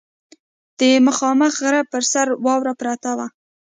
د مخامخ غره پر سر واوره پرته وه.